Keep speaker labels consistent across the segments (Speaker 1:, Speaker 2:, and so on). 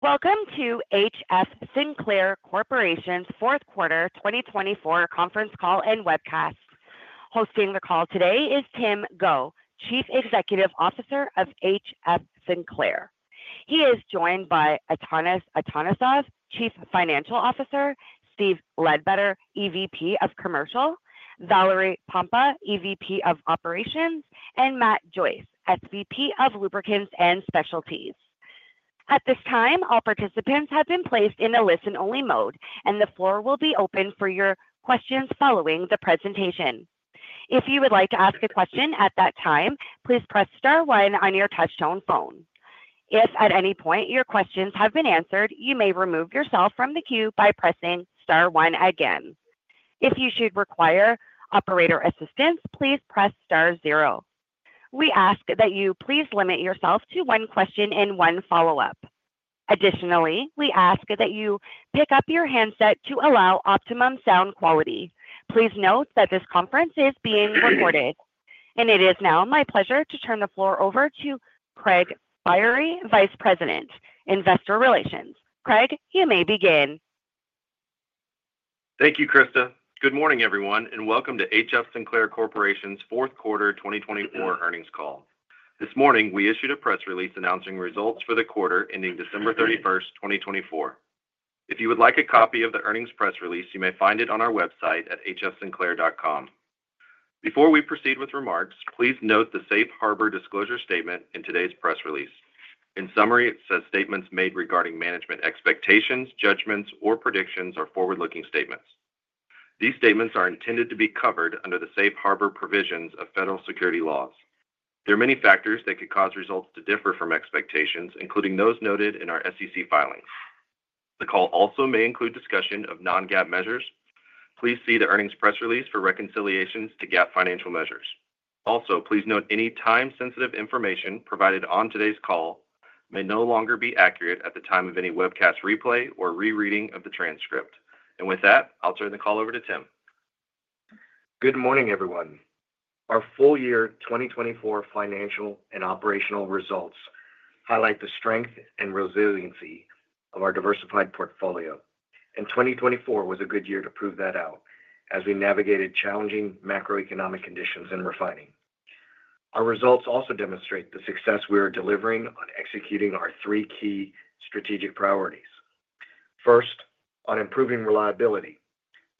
Speaker 1: Welcome to HF Sinclair Corporation's fourth quarter 2024 conference call and webcast. Hosting the call today is Tim Go, Chief Executive Officer of HF Sinclair. He is joined by Atanas Atanasov, Chief Financial Officer, Steve Ledbetter, EVP of Commercial, Valerie Pompa, EVP of Operations, and Matt Joyce, SVP of Lubricants and Specialties. At this time, all participants have been placed in a listen-only mode, and the floor will be open for your questions following the presentation. If you would like to ask a question at that time, please press star one on your touch-tone phone. If at any point your questions have been answered, you may remove yourself from the queue by pressing star one again. If you should require operator assistance, please press star zero. We ask that you please limit yourself to one question and one follow-up. Additionally, we ask that you pick up your handset to allow optimum sound quality. Please note that this conference is being recorded, and it is now my pleasure to turn the floor over to Craig Biery, Vice President, Investor Relations. Craig, you may begin.
Speaker 2: Thank you, Krista. Good morning, everyone, and welcome to HF Sinclair Corporation's fourth quarter 2024 earnings call. This morning, we issued a press release announcing results for the quarter ending December 31st, 2024. If you would like a copy of the earnings press release, you may find it on our website at hfsinclair.com. Before we proceed with remarks, please note the safe harbor disclosure statement in today's press release. In summary, it says statements made regarding management expectations, judgments, or predictions are forward-looking statements. These statements are intended to be covered under the safe harbor provisions of federal securities laws. There are many factors that could cause results to differ from expectations, including those noted in our SEC filings. The call also may include discussion of non-GAAP measures. Please see the earnings press release for reconciliations to GAAP financial measures. Also, please note any time-sensitive information provided on today's call may no longer be accurate at the time of any webcast replay or rereading of the transcript, and with that, I'll turn the call over to Tim.
Speaker 3: Good morning, everyone. Our full year 2024 financial and operational results highlight the strength and resiliency of our diversified portfolio, and 2024 was a good year to prove that out as we navigated challenging macroeconomic conditions and refining. Our results also demonstrate the success we are delivering on executing our three key strategic priorities. First, on improving reliability,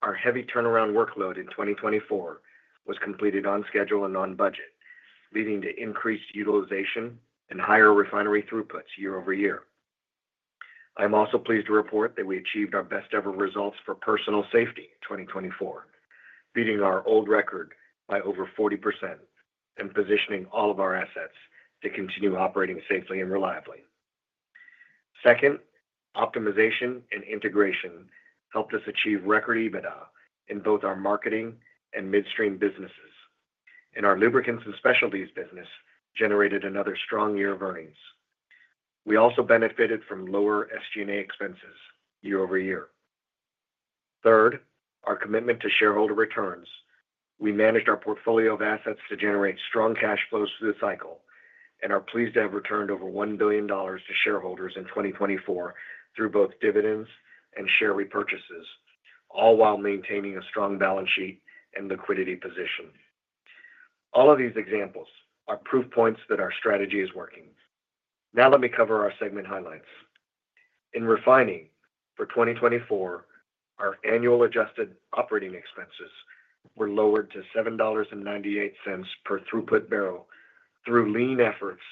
Speaker 3: our heavy turnaround workload in 2024 was completed on schedule and on budget, leading to increased utilization and higher refinery throughputs year-over-year. I am also pleased to report that we achieved our best-ever results for personal safety in 2024, beating our old record by over 40% and positioning all of our assets to continue operating safely and reliably. Second, optimization and integration helped us achieve record EBITDA in both our marketing and midstream businesses, and our lubricants and specialties business generated another strong year of earnings. We also benefited from lower SG&A expenses year-over-year. Third, our commitment to shareholder returns. We managed our portfolio of assets to generate strong cash flows through the cycle and are pleased to have returned over $1 billion to shareholders in 2024 through both dividends and share repurchases, all while maintaining a strong balance sheet and liquidity position. All of these examples are proof points that our strategy is working. Now let me cover our segment highlights. In refining for 2024, our annual adjusted operating expenses were lowered to $7.98 per throughput barrel through lean efforts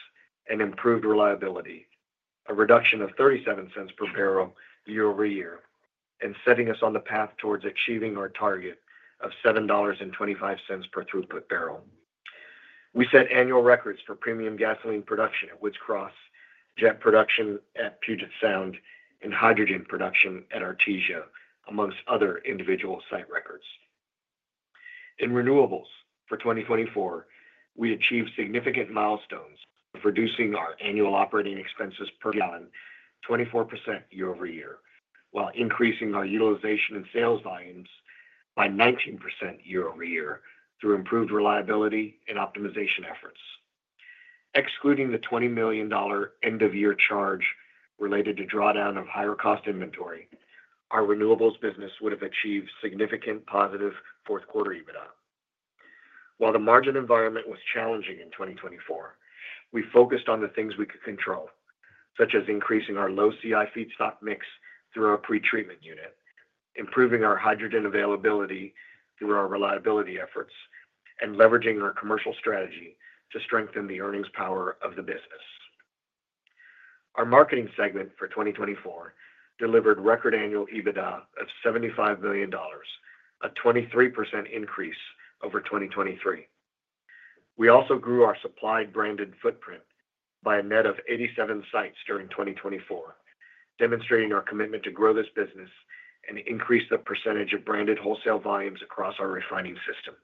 Speaker 3: and improved reliability, a reduction of $0.37 per barrel year-over-year, and setting us on the path towards achieving our target of $7.25 per throughput barrel. We set annual records for premium gasoline production at Woods Cross, jet production at Puget Sound, and hydrogen production at Artesia, amongst other individual site records. In renewables for 2024, we achieved significant milestones of reducing our annual operating expenses per gallon 24% year-over-year, while increasing our utilization and sales volumes by 19% year-over-year through improved reliability and optimization efforts. Excluding the $20 million end-of-year charge related to drawdown of higher cost inventory, our renewables business would have achieved significant positive fourth quarter EBITDA. While the margin environment was challenging in 2024, we focused on the things we could control, such as increasing our low CI feedstock mix through our pretreatment unit, improving our hydrogen availability through our reliability efforts, and leveraging our commercial strategy to strengthen the earnings power of the business. Our marketing segment for 2024 delivered record annual EBITDA of $75 million, a 23% increase over 2023. We also grew our supplied branded footprint by a net of 87 sites during 2024, demonstrating our commitment to grow this business and increase the percentage of branded wholesale volumes across our refining system.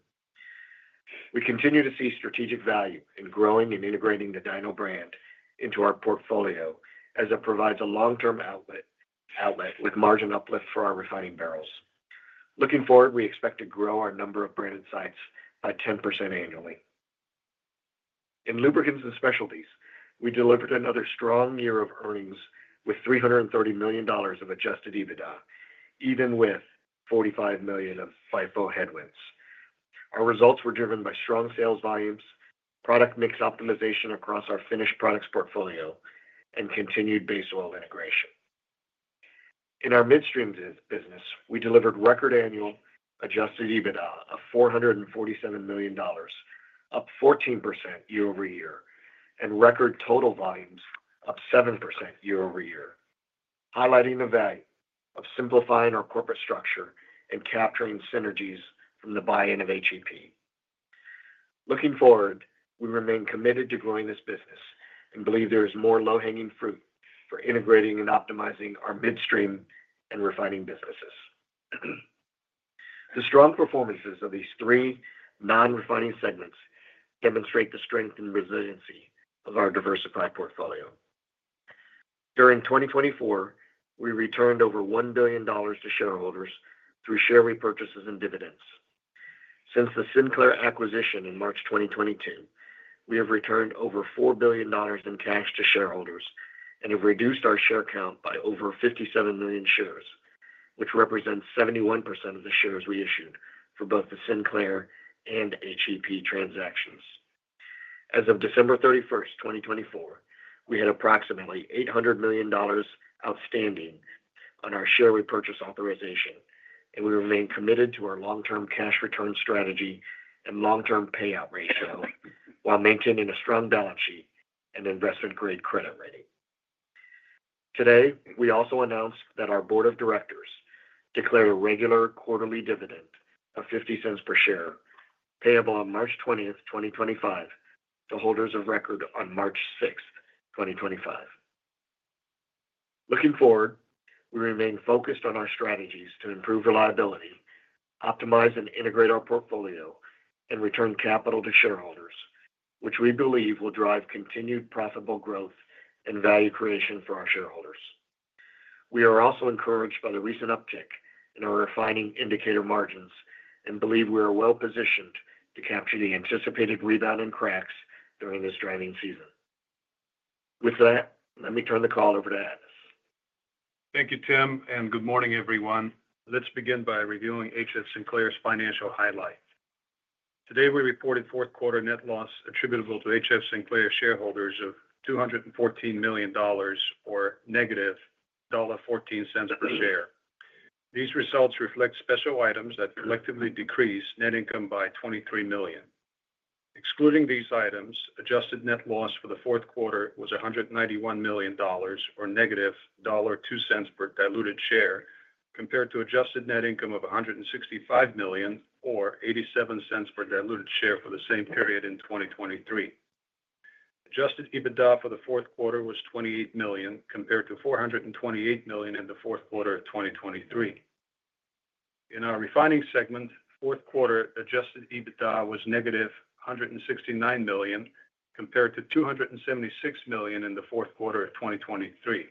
Speaker 3: We continue to see strategic value in growing and integrating the DINO brand into our portfolio as it provides a long-term outlet with margin uplift for our refining barrels. Looking forward, we expect to grow our number of branded sites by 10% annually. In lubricants and specialties, we delivered another strong year of earnings with $330 million of Adjusted EBITDA, even with $45 million of FIFO headwinds. Our results were driven by strong sales volumes, product mix optimization across our finished products portfolio, and continued base oil integration. In our midstream business, we delivered record annual Adjusted EBITDA of $447 million, up 14% year-over-year, and record total volumes up 7% year-over-year, highlighting the value of simplifying our corporate structure and capturing synergies from the buy-in of HEP. Looking forward, we remain committed to growing this business and believe there is more low-hanging fruit for integrating and optimizing our midstream and refining businesses. The strong performances of these three non-refining segments demonstrate the strength and resiliency of our diversified portfolio. During 2024, we returned over $1 billion to shareholders through share repurchases and dividends. Since the Sinclair acquisition in March 2022, we have returned over $4 billion in cash to shareholders and have reduced our share count by over 57 million shares, which represents 71% of the shares we issued for both the Sinclair and HEP transactions. As of December 31st, 2024, we had approximately $800 million outstanding on our share repurchase authorization, and we remain committed to our long-term cash return strategy and long-term payout ratio while maintaining a strong balance sheet and investment-grade credit rating. Today, we also announced that our board of directors declared a regular quarterly dividend of $0.50 per share, payable on March 20th, 2025, to holders of record on March 6th, 2025. Looking forward, we remain focused on our strategies to improve reliability, optimize and integrate our portfolio, and return capital to shareholders, which we believe will drive continued profitable growth and value creation for our shareholders. We are also encouraged by the recent uptick in our refining indicator margins and believe we are well positioned to capture the anticipated rebound and cracks during this driving season. With that, let me turn the call over to Atanas.
Speaker 4: Thank you, Tim, and good morning, everyone. Let's begin by reviewing HF Sinclair's financial highlights. Today, we reported fourth quarter net loss attributable to HF Sinclair shareholders of $214 million, or -$1.14 per share. These results reflect special items that collectively decreased net income by $23 million. Excluding these items, adjusted net loss for the fourth quarter was $191 million, or -$1.02 per diluted share, compared to adjusted net income of $165 million, or $0.87 per diluted share for the same period in 2023. Adjusted EBITDA for the fourth quarter was $28 million, compared to $428 million in the fourth quarter of 2023. In our refining segment, fourth quarter Adjusted EBITDA was -$169 million, compared to $276 million in the fourth quarter of 2023.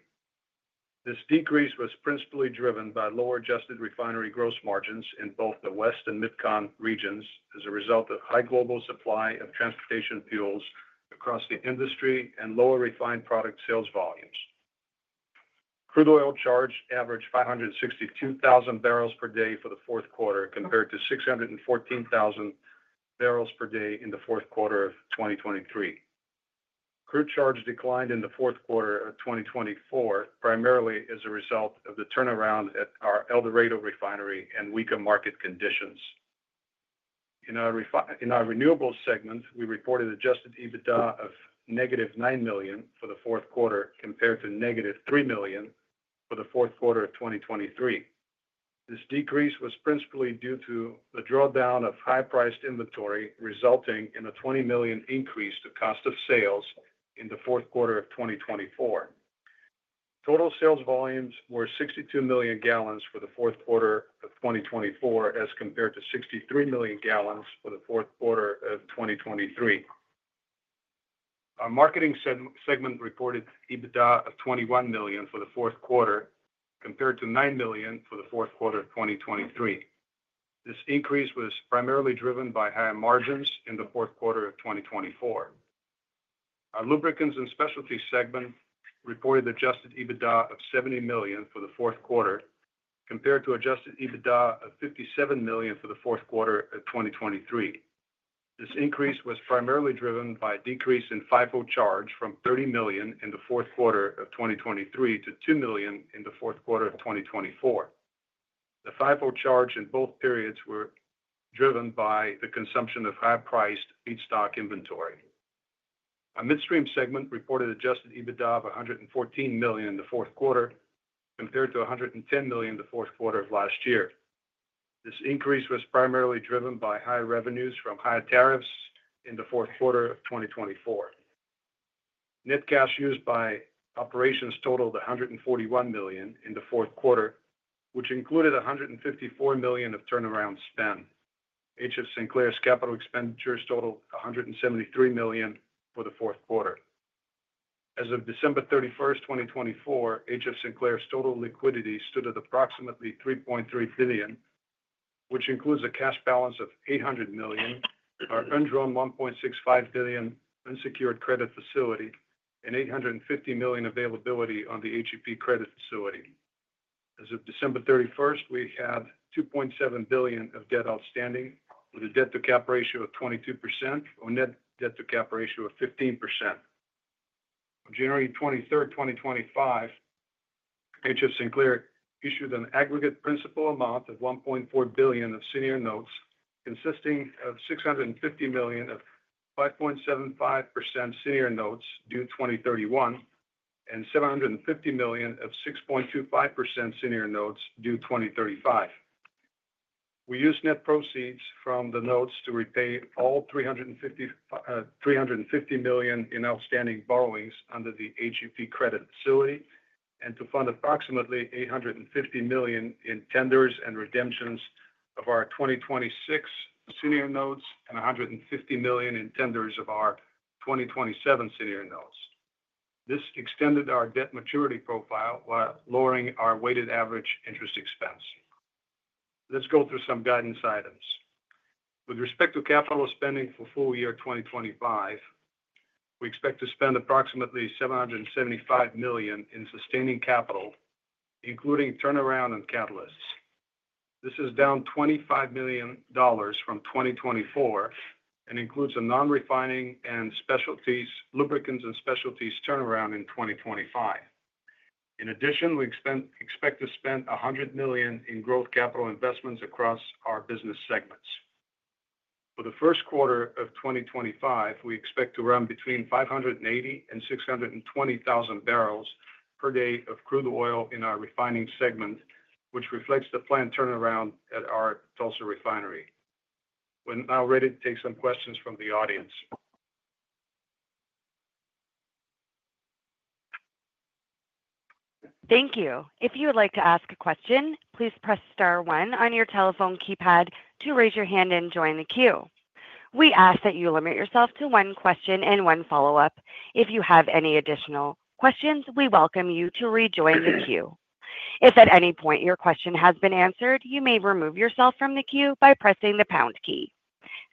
Speaker 4: This decrease was principally driven by lower adjusted refinery gross margins in both the West and Mid-Con regions as a result of high global supply of transportation fuels across the industry and lower refined product sales volumes. Crude oil charge averaged 562,000 barrels per day for the fourth quarter, compared to 614,000 barrels per day in the fourth quarter of 2023. Crude charge declined in the fourth quarter of 2024 primarily as a result of the turnaround at our El Dorado refinery and weak market conditions. In our renewables segment, we reported Adjusted EBITDA of -$9 million for the fourth quarter, compared to -$3 million for the fourth quarter of 2023. This decrease was principally due to the drawdown of high-priced inventory, resulting in a $20 million increase to cost of sales in the fourth quarter of 2024. Total sales volumes were 62 million gallons for the fourth quarter of 2024, as compared to 63 million gallons for the fourth quarter of 2023. Our marketing segment reported EBITDA of $21 million for the fourth quarter, compared to $9 million for the fourth quarter of 2023. This increase was primarily driven by higher margins in the fourth quarter of 2024. Our lubricants and specialties segment reported Adjusted EBITDA of $70 million for the fourth quarter, compared to Adjusted EBITDA of $57 million for the fourth quarter of 2023. This increase was primarily driven by a decrease in FIFO charge from $30 million in the fourth quarter of 2023 to $2 million in the fourth quarter of 2024. The FIFO charge in both periods was driven by the consumption of high-priced feedstock inventory. Our midstream segment reported Adjusted EBITDA of $114 million in the fourth quarter, compared to $110 million in the fourth quarter of last year. This increase was primarily driven by high revenues from high tariffs in the fourth quarter of 2024. Net cash used by operations totaled $141 million in the fourth quarter, which included $154 million of turnaround spend. HF Sinclair's capital expenditures totaled $173 million for the fourth quarter. As of December 31st, 2024, HF Sinclair's total liquidity stood at approximately $3.3 billion, which includes a cash balance of $800 million, our Term Loan $1.65 billion, unsecured credit facility, and $850 million availability on the HEP credit facility. As of December 31st, we had $2.7 billion of debt outstanding, with a debt-to-cap ratio of 22% or net debt-to-cap ratio of 15%. On January 23rd, 2025, HF Sinclair issued an aggregate principal amount of $1.4 billion Senior Notes, consisting of $650 million of Senior Notes due 2031 and $750 million of Senior Notes due 2035. We used net proceeds from the notes to repay all $350 million in outstanding borrowings under the HEP credit facility and to fund approximately $850 million in tenders and redemptions of our Senior Notes and $150 million in tenders of our Senior Notes. this extended our debt maturity profile while lowering our weighted average interest expense. Let's go through some guidance items. With respect to capital spending for full year 2025, we expect to spend approximately $775 million in sustaining capital, including turnaround and catalysts. This is down $25 million from 2024 and includes a non-refining and lubricants and specialties turnaround in 2025. In addition, we expect to spend $100 million in growth capital investments across our business segments. For the first quarter of 2025, we expect to run between 580,000 bbl and 620,000 bbl per day of crude oil in our refining segment, which reflects the planned turnaround at our Tulsa refinery. We're now ready to take some questions from the audience.
Speaker 1: Thank you. If you would like to ask a question, please press star one on your telephone keypad to raise your hand and join the queue. We ask that you limit yourself to one question and one follow-up. If you have any additional questions, we welcome you to rejoin the queue. If at any point your question has been answered, you may remove yourself from the queue by pressing the pound key.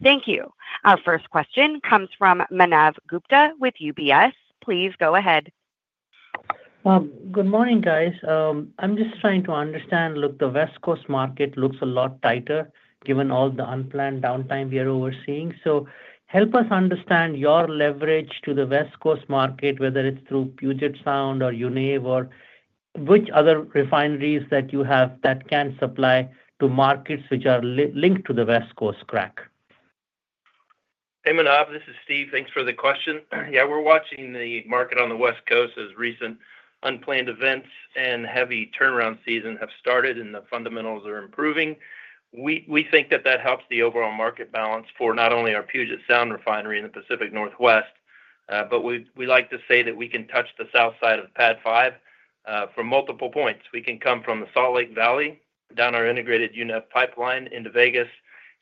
Speaker 1: Thank you. Our first question comes from Manav Gupta with UBS. Please go ahead.
Speaker 5: Good morning, guys. I'm just trying to understand. Look, the West Coast market looks a lot tighter given all the unplanned downtime we are seeing. So help us understand your leverage to the West Coast market, whether it's through Puget Sound or UNEV, or which other refineries that you have that can supply to markets which are linked to the West Coast crack.
Speaker 6: Hey, Manav. This is Steve. Thanks for the question. Yeah, we're watching the market on the West Coast as recent unplanned events and heavy turnaround season have started and the fundamentals are improving. We think that that helps the overall market balance for not only our Puget Sound refinery in the Pacific Northwest, but we like to say that we can touch the south side of PADD 5 from multiple points. We can come from the Salt Lake Valley, down our integrated UNEV pipeline into Vegas,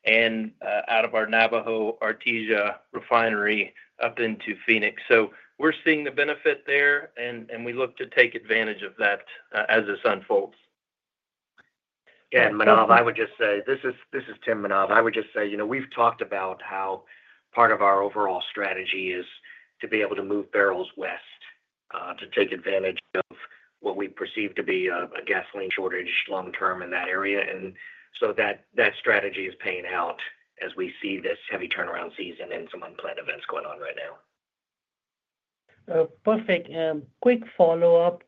Speaker 6: and out of our Navajo, Artesia refinery up into Phoenix. So we're seeing the benefit there, and we look to take advantage of that as this unfolds.
Speaker 3: Yeah, Manav, I would just say. This is Tim, Manav. You know, we've talked about how part of our overall strategy is to be able to move barrels west to take advantage of what we perceive to be a gasoline shortage long-term in that area. And so that strategy is paying out as we see this heavy turnaround season and some unplanned events going on right now.
Speaker 5: Perfect. Quick follow-up.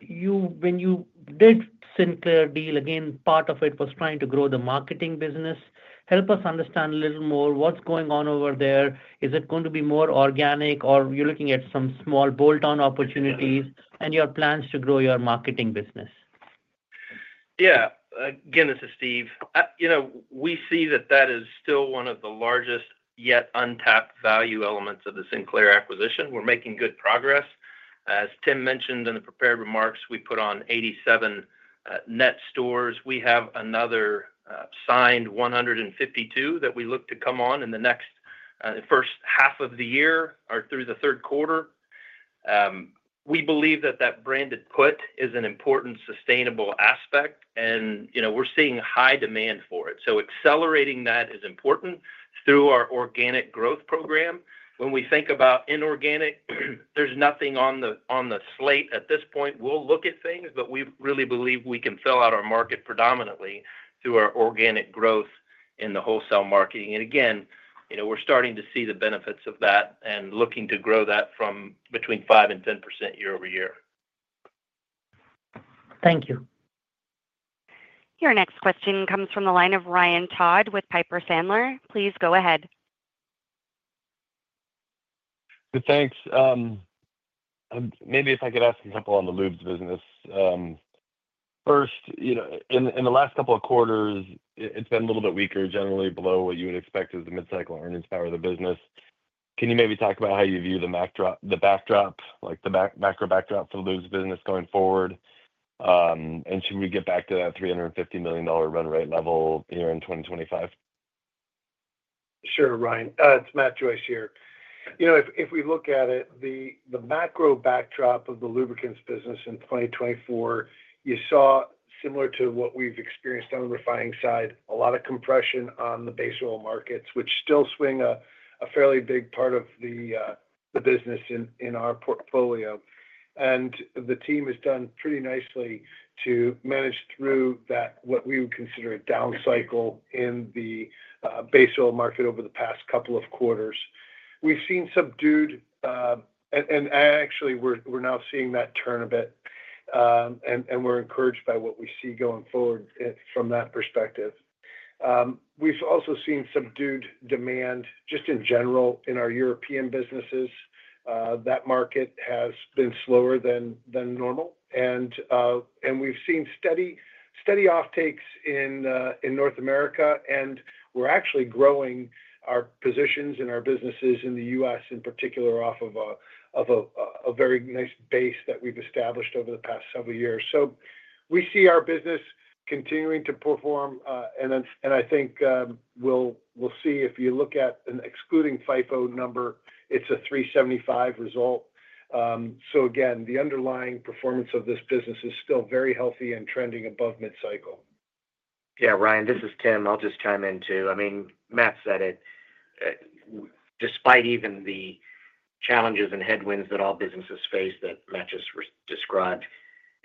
Speaker 5: When you did Sinclair deal, again, part of it was trying to grow the marketing business. Help us understand a little more what's going on over there. Is it going to be more organic, or are you looking at some small bolt-on opportunities and your plans to grow your marketing business?
Speaker 6: Yeah. Again, this is Steve. You know, we see that that is still one of the largest yet untapped value elements of the Sinclair acquisition. We're making good progress. As Tim mentioned in the prepared remarks, we put on 87 net stores. We have another signed 152 that we look to come on in the next first half of the year or through the third quarter. We believe that that branded footprint is an important sustainable aspect, and you know, we're seeing high demand for it. So accelerating that is important through our organic growth program. When we think about inorganic, there's nothing on the slate at this point. We'll look at things, but we really believe we can fill out our market predominantly through our organic growth in the wholesale marketing. Again, you know, we're starting to see the benefits of that and looking to grow that from between 5% and 10% year-over-year.
Speaker 5: Thank you.
Speaker 1: Your next question comes from the line of Ryan Todd with Piper Sandler. Please go ahead.
Speaker 7: Thanks. Maybe if I could ask a couple on the Lubes business. First, you know, in the last couple of quarters, it's been a little bit weaker, generally below what you would expect as the mid-cycle earnings power of the business. Can you maybe talk about how you view the backdrop, like the macro backdrop for the Lubes business going forward? And should we get back to that $350 million run rate level here in 2025?
Speaker 8: Sure, Ryan. It's Matt Joyce here. You know, if we look at it, the macro backdrop of the lubricants business in 2024, you saw, similar to what we've experienced on the refining side, a lot of compression on the base oil markets, which still swing a fairly big part of the business in our portfolio. And the team has done pretty nicely to manage through that, what we would consider a down cycle in the base oil market over the past couple of quarters. We've seen subdued, and actually, we're now seeing that turn a bit, and we're encouraged by what we see going forward from that perspective. We've also seen subdued demand just in general in our European businesses. That market has been slower than normal, and we've seen steady offtakes in North America, and we're actually growing our positions in our businesses in the U.S., in particular, off of a very nice base that we've established over the past several years. So we see our business continuing to perform, and I think we'll see, if you look at an excluding FIFO number, it's a $375 result. So again, the underlying performance of this business is still very healthy and trending above mid-cycle.
Speaker 3: Yeah, Ryan, this is Tim. I'll just chime in too. I mean, Matt said it. Despite even the challenges and headwinds that all businesses face that Matt just described,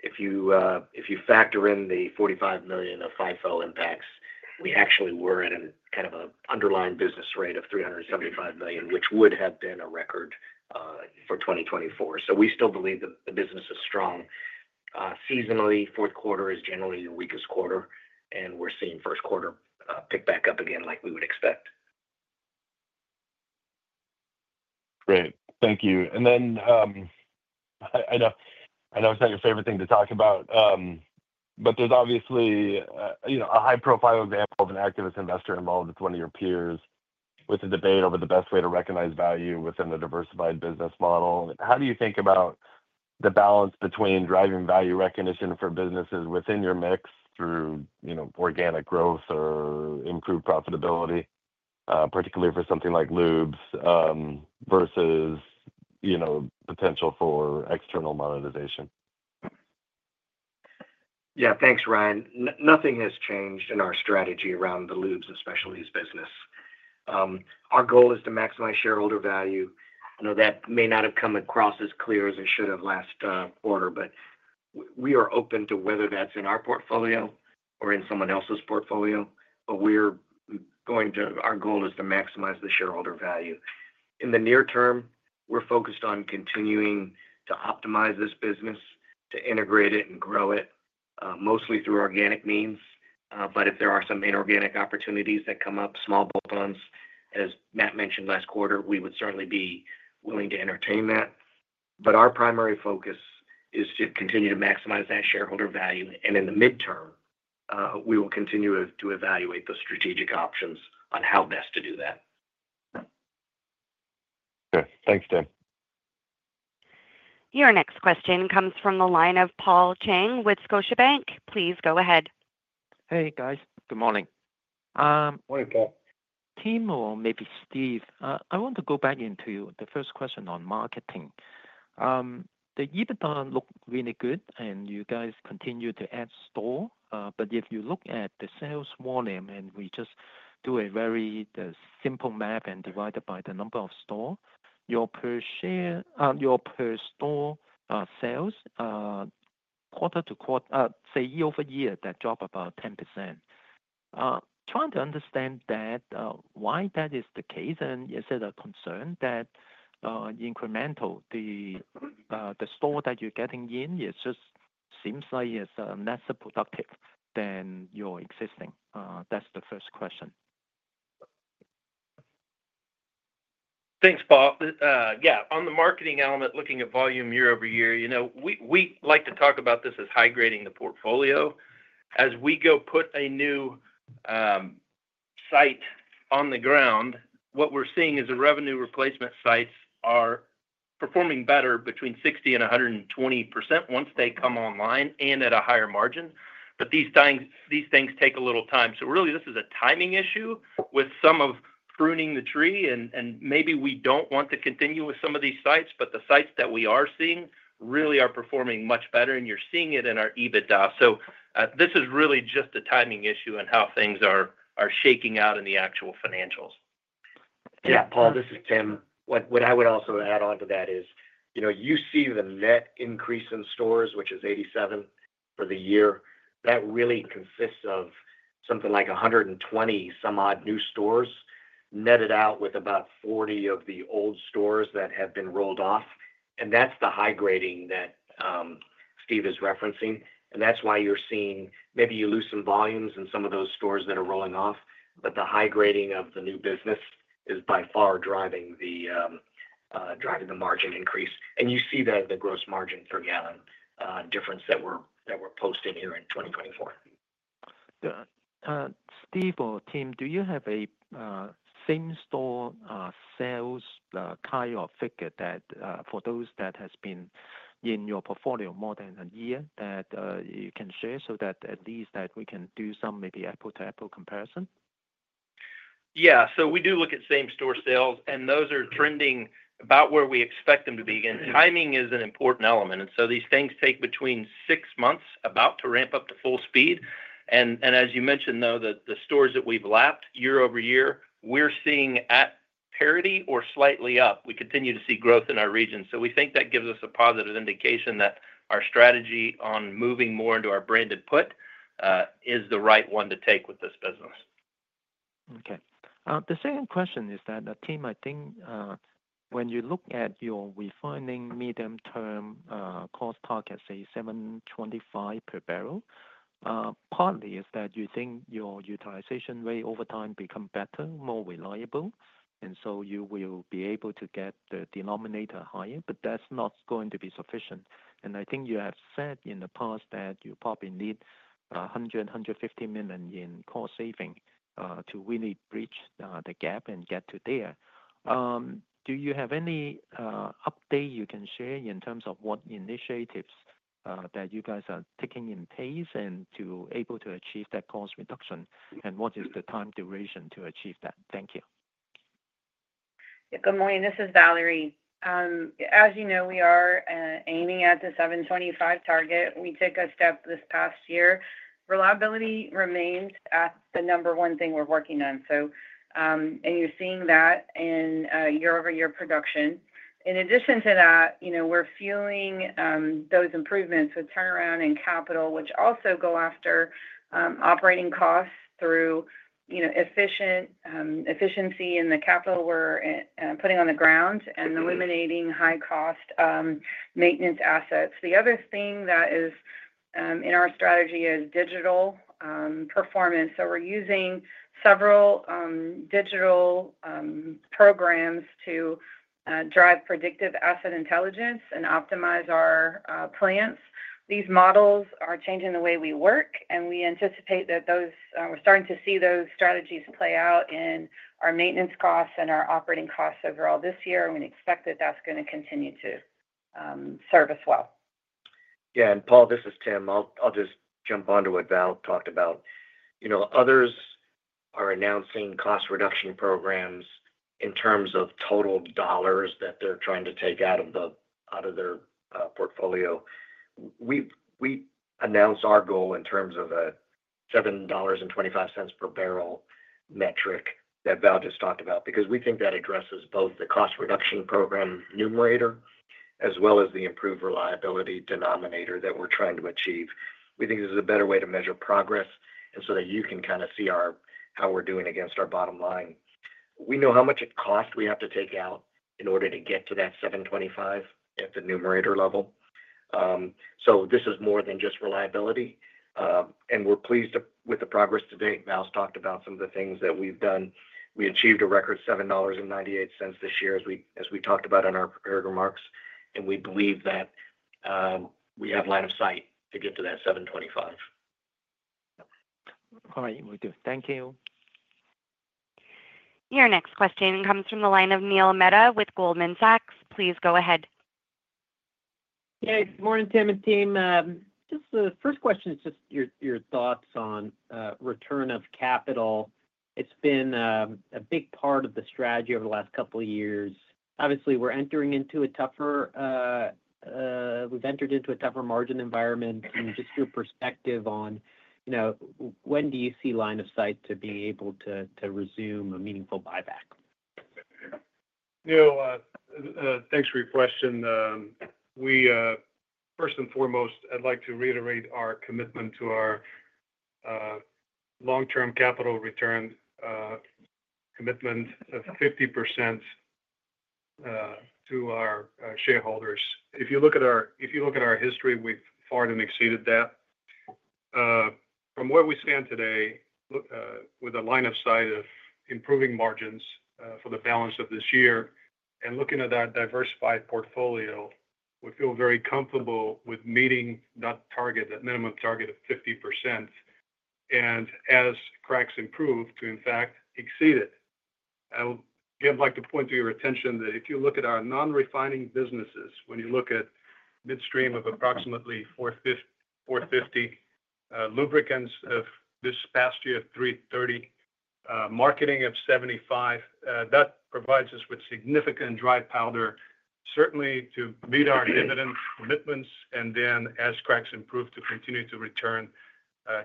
Speaker 3: if you factor in the $45 million of FIFO impacts, we actually were at a kind of an underlying business rate of $375 million, which would have been a record for 2024. So we still believe that the business is strong. Seasonally, fourth quarter is generally the weakest quarter, and we're seeing first quarter pick back up again like we would expect.
Speaker 7: Great. Thank you. And then I know it's not your favorite thing to talk about, but there's obviously, you know, a high-profile example of an activist investor involved with one of your peers with a debate over the best way to recognize value within the diversified business model. How do you think about the balance between driving value recognition for businesses within your mix through, you know, organic growth or improved profitability, particularly for something like Lubes versus, you know, potential for external monetization?
Speaker 3: Yeah, thanks, Ryan. Nothing has changed in our strategy around the lubricants and specialties business. Our goal is to maximize shareholder value. I know that may not have come across as clear as it should have last quarter, but we are open to whether that's in our portfolio or in someone else's portfolio, but we're going to, our goal is to maximize the shareholder value. In the near term, we're focused on continuing to optimize this business, to integrate it and grow it mostly through organic means. But if there are some inorganic opportunities that come up, small bolt-ons, as Matt mentioned last quarter, we would certainly be willing to entertain that. But our primary focus is to continue to maximize that shareholder value, and in the midterm, we will continue to evaluate the strategic options on how best to do that.
Speaker 7: Okay. Thanks, Tim.
Speaker 1: Your next question comes from the line of Paul Chang with Scotiabank. Please go ahead.
Speaker 9: Hey, guys. Good morning.
Speaker 3: Morning, Paul.
Speaker 9: Tim or maybe Steve, I want to go back into the first question on marketing. The EBITDA looked really good, and you guys continue to add stores. But if you look at the sales volume and we just do a very simple math and divide it by the number of stores, your per store sales quarter to quarter, say year-over-year, that dropped about 10%. Trying to understand why that is the case, and is it a concern that incremental, the stores that you're getting in, it just seems like it's less productive than your existing? That's the first question.
Speaker 6: Thanks, Paul. Yeah, on the marketing element, looking at volume year-over-year, you know, we like to talk about this as high-grading the portfolio. As we go put a new site on the ground, what we're seeing is the revenue replacement sites are performing better between 60% and 120% once they come online and at a higher margin. But these things take a little time. So really, this is a timing issue with some of pruning the tree, and maybe we don't want to continue with some of these sites, but the sites that we are seeing really are performing much better, and you're seeing it in our EBITDA. So this is really just a timing issue and how things are shaking out in the actual financials.
Speaker 3: Yeah, Paul, this is Tim. What I would also add on to that is, you know, you see the net increase in stores, which is 87 for the year. That really consists of something like 120 some odd new stores netted out with about 40 of the old stores that have been rolled off. And that's the high-grading that Steve is referencing. And that's why you're seeing maybe you lose some volumes in some of those stores that are rolling off, but the high-grading of the new business is by far driving the margin increase. And you see the gross margin per gallon difference that we're posting here in 2024.
Speaker 9: Steve, or Tim, do you have a same-store sales kind of figure that, for those that have been in your portfolio more than a year, that you can share so that at least that we can do some maybe Apples-to-Apples comparison?
Speaker 6: Yeah. So we do look at same store sales, and those are trending about where we expect them to be. And timing is an important element. And so these things take between six months about to ramp up to full speed. And as you mentioned, though, the stores that we've lapped year-over-year, we're seeing at parity or slightly up. We continue to see growth in our region. So we think that gives us a positive indication that our strategy on moving more into our branded footprint is the right one to take with this business.
Speaker 9: Okay. The second question is that, Tim, I think when you look at your refining medium-term cost target, say, $725 per barrel, partly is that you think your utilization rate over time becomes better, more reliable, and so you will be able to get the denominator higher, but that's not going to be sufficient. And I think you have said in the past that you probably need $100 million-$150 million in cost saving to really bridge the gap and get to there. Do you have any update you can share in terms of what initiatives that you guys are taking place and to be able to achieve that cost reduction? And what is the time duration to achieve that? Thank you.
Speaker 10: Good morning. This is Valerie. As you know, we are aiming at the $725 target. We took a step this past year. Reliability remains the number one thing we're working on. You're seeing that in year-over-year production. In addition to that, you know, we're feeling those improvements with turnaround and capital, which also go after operating costs through, you know, efficiency in the capital we're putting on the ground and eliminating high-cost maintenance assets. The other thing that is in our strategy is digital performance. So we're using several digital programs to drive predictive asset intelligence and optimize our plants. These models are changing the way we work, and we anticipate that. We're starting to see those strategies play out in our maintenance costs and our operating costs overall this year. We expect that that's going to continue to serve us well.
Speaker 3: Yeah. Paul, this is Tim. I'll just jump on to what Val talked about. You know, others are announcing cost reduction programs in terms of total dollars that they're trying to take out of their portfolio. We announced our goal in terms of a $7.25 per barrel metric that Val just talked about because we think that addresses both the cost reduction program numerator as well as the improved reliability denominator that we're trying to achieve. We think this is a better way to measure progress and so that you can kind of see how we're doing against our bottom line. We know how much it costs we have to take out in order to get to that $7.25 at the numerator level. So this is more than just reliability. We're pleased with the progress to date. Val's talked about some of the things that we've done. We achieved a record $7.98 this year, as we talked about in our prepared remarks, and we believe that we have line of sight to get to that $725.
Speaker 9: All right. We do. Thank you.
Speaker 1: Your next question comes from the line of Neil Mehta with Goldman Sachs. Please go ahead.
Speaker 11: Hey, good morning, Steve and Tim. Just the first question is just your thoughts on return of capital. It's been a big part of the strategy over the last couple of years. Obviously, we've entered into a tougher margin environment, and just your perspective on, you know, when do you see line of sight to be able to resume a meaningful buyback?
Speaker 4: Yeah. Thanks for your question. First and foremost, I'd like to reiterate our commitment to our long-term capital return commitment of 50% to our shareholders. If you look at our history, we've far exceeded that. From where we stand today, with a line of sight of improving margins for the balance of this year and looking at our diversified portfolio, we feel very comfortable with meeting that target, that minimum target of 50%, and as cracks improve, to in fact exceed it. Again, I'd like to point to your attention that if you look at our non-refining businesses, when you look at midstream of approximately $450, lubricants of this past year of $330, marketing of $75, that provides us with significant dry powder, certainly to meet our dividend commitments, and then as cracks improve, to continue to return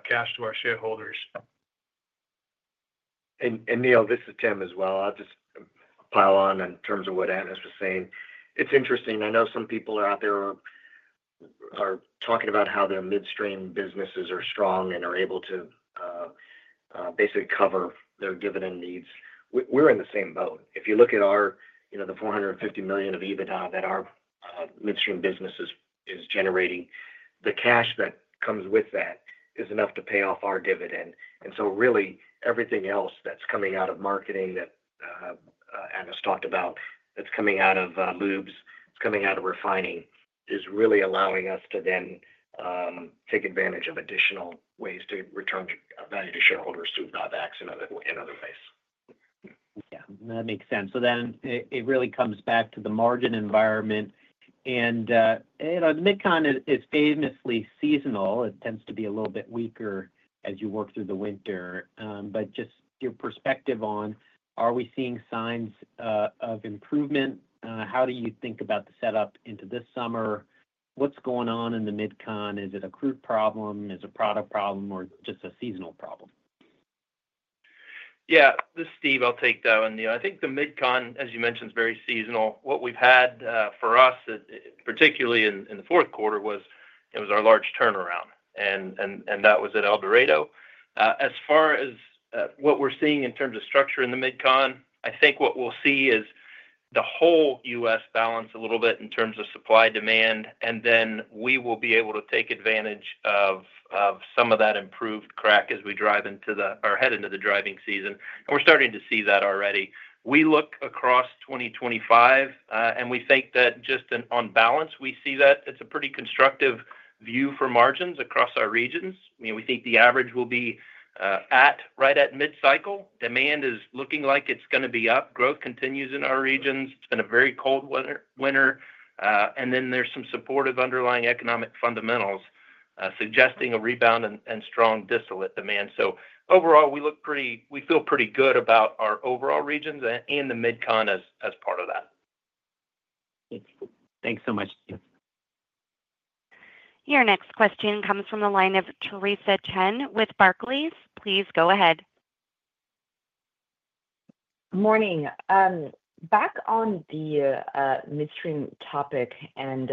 Speaker 4: cash to our shareholders.
Speaker 3: And Neil, this is Tim as well. I'll just pile on in terms of what Atanas was saying. It's interesting. I know some people out there are talking about how their midstream businesses are strong and are able to basically cover their dividend needs. We're in the same boat. If you look at our, you know, the $450 million of EBITDA that our midstream business is generating, the cash that comes with that is enough to pay off our dividend. And so really, everything else that's coming out of marketing that Atanas talked about, that's coming out of Lubes, it's coming out of refining, is really allowing us to then take advantage of additional ways to return value to shareholders through buybacks in other ways.
Speaker 11: Yeah. That makes sense. So then it really comes back to the margin environment. And, you know, the mid-con is famously seasonal. It tends to be a little bit weaker as you work through the winter. But just your perspective on, are we seeing signs of improvement? How do you think about the setup into this summer? What's going on in the mid-con? Is it a crude problem? Is it a product problem or just a seasonal problem?
Speaker 6: Yeah. This is Steve. I'll take that one, Neil. I think the mid-con is, as you mentioned, very seasonal. What we've had for us, particularly in the fourth quarter, was our large turnaround. And that was at Artesia. As far as what we're seeing in terms of structure in the mid-con, I think what we'll see is the whole U.S. will balance a little bit in terms of supply-demand. And then we will be able to take advantage of some of that improved crack as we drive into or head into the driving season. And we're starting to see that already. We look across 2025, and we think that just on balance, we see that it's a pretty constructive view for margins across our regions. I mean, we think the average will be right at mid-cycle. Demand is looking like it's going to be up. Growth continues in our regions. It's been a very cold winter. Then there's some supportive underlying economic fundamentals suggesting a rebound and strong distillate demand. Overall, we feel pretty good about our overall regions and the Mid-Con as part of that.
Speaker 11: Thanks so much, Steve.
Speaker 1: Your next question comes from the line of Theresa Chen with Barclays. Please go ahead.
Speaker 12: Good morning. Back on the midstream topic and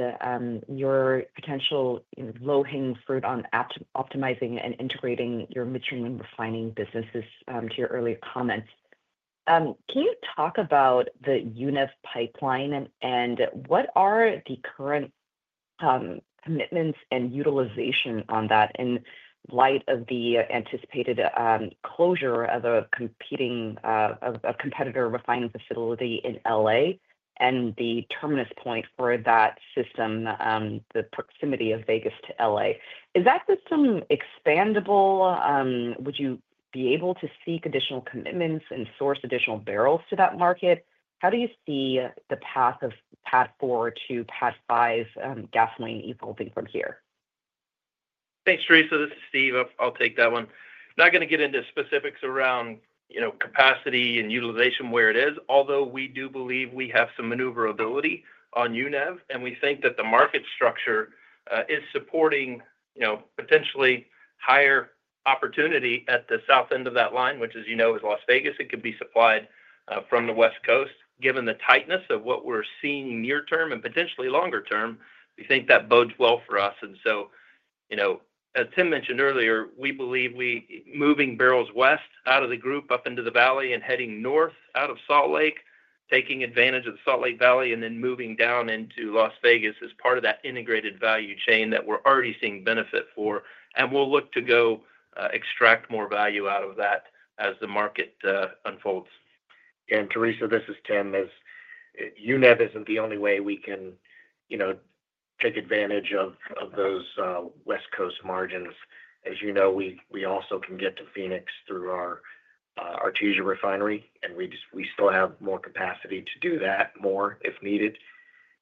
Speaker 12: your potential low-hanging fruit on optimizing and integrating your midstream and refining businesses to your earlier comments, can you talk about the UNEV Pipeline and what are the current commitments and utilization on that in light of the anticipated closure of a competitor refining facility in L.A. and the terminus point for that system, the proximity of Vegas to L.A.? Is that system expandable? Would you be able to seek additional commitments and source additional barrels to that market? How do you see the path of PADD 4 to PADD 5 gasoline evolving from here?
Speaker 6: Thanks, Teresa. This is Steve. I'll take that one. I'm not going to get into specifics around, you know, capacity and utilization where it is, although we do believe we have some maneuverability on UNEV. And we think that the market structure is supporting, you know, potentially higher opportunity at the south end of that line, which, as you know, is Las Vegas. It could be supplied from the West Coast. Given the tightness of what we're seeing near-term and potentially longer-term, we think that bodes well for us. And so, you know, as Tim mentioned earlier, we believe moving barrels west out of the group up into the valley and heading north out of Salt Lake, taking advantage of the Salt Lake Valley, and then moving down into Las Vegas as part of that integrated value chain that we're already seeing benefit for. We'll look to go extract more value out of that as the market unfolds.
Speaker 3: Again, Teresa, this is Tim. UNEV isn't the only way we can, you know, take advantage of those West Coast margins. As you know, we also can get to Phoenix through our Artesia refinery. And we still have more capacity to do that more if needed.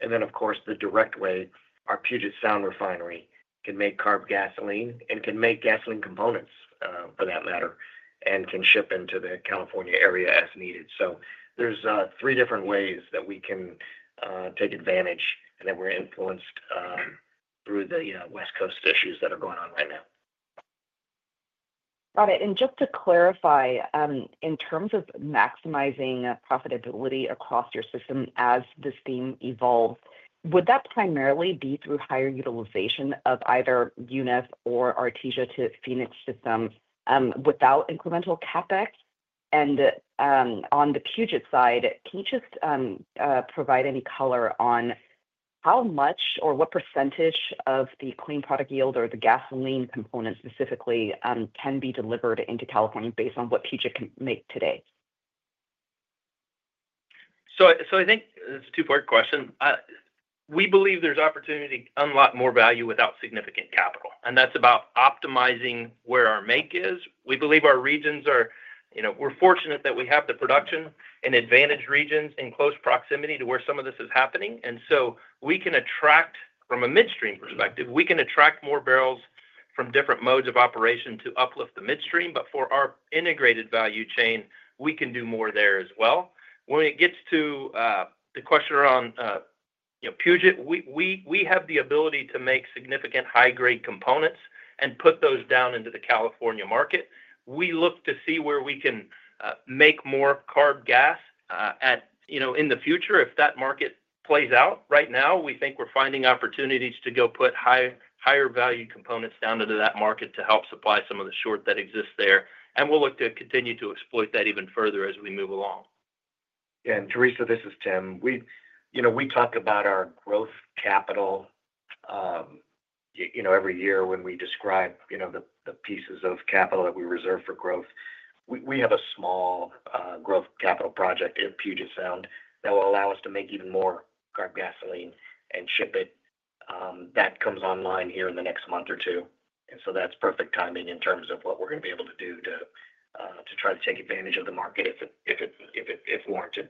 Speaker 3: And then, of course, the direct way, our Puget Sound refinery can make CARB gasoline and can make gasoline components for that matter and can ship into the California area as needed. So there's three different ways that we can take advantage and that we're influenced through the West Coast issues that are going on right now.
Speaker 12: Got it. And just to clarify, in terms of maximizing profitability across your system as this theme evolves, would that primarily be through higher utilization of either UNEV or Artesia to Phoenix systems without incremental CapEx? And on the Puget side, can you just provide any color on how much or what percentage of the clean product yield or the gasoline component specifically can be delivered into California based on what Puget can make today?
Speaker 6: So I think it's a two-part question. We believe there's opportunity to unlock more value without significant capital. And that's about optimizing where our make is. We believe our regions, we're fortunate that we have the production in advantage regions in close proximity to where some of this is happening. And so we can attract from a midstream perspective, we can attract more barrels from different modes of operation to uplift the midstream. But for our integrated value chain, we can do more there as well. When it gets to the question around Puget, we have the ability to make significant high-grade components and put those down into the California market. We look to see where we can make more CARB gas in the future if that market plays out. Right now, we think we're finding opportunities to go put higher value components down into that market to help supply some of the short that exists there, and we'll look to continue to exploit that even further as we move along.
Speaker 3: Again, Teresa, this is Tim. We talk about our growth capital, you know, every year when we describe, you know, the pieces of capital that we reserve for growth. We have a small growth capital project at Puget Sound that will allow us to make even more CARB gasoline and ship it. That comes online here in the next month or two, and so that's perfect timing in terms of what we're going to be able to do to try to take advantage of the market if warranted.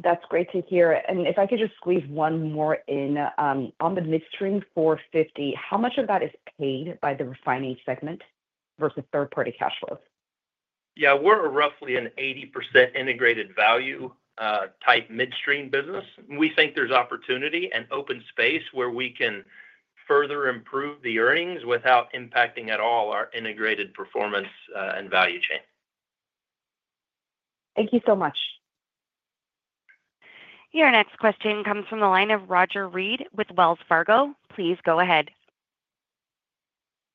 Speaker 12: That's great to hear. And if I could just squeeze one more in. On the midstream $450, how much of that is paid by the refining segment versus third-party cash flows?
Speaker 4: Yeah. We're roughly an 80% integrated value-type midstream business. We think there's opportunity and open space where we can further improve the earnings without impacting at all our integrated performance and value chain.
Speaker 12: Thank you so much.
Speaker 1: Your next question comes from the line of Roger Reed with Wells Fargo. Please go ahead.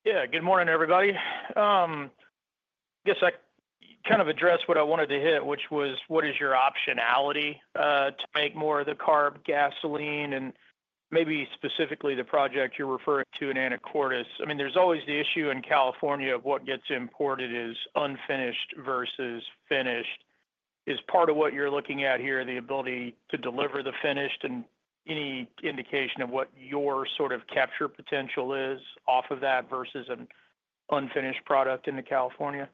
Speaker 13: Yeah. Good morning, everybody. I guess I kind of addressed what I wanted to hit, which was, what is your optionality to make more of the CARB gasoline and maybe specifically the project you're referring to in Anacortes? I mean, there's always the issue in California of what gets imported is unfinished versus finished. Is part of what you're looking at here the ability to deliver the finished and any indication of what your sort of capture potential is off of that versus an unfinished product into California?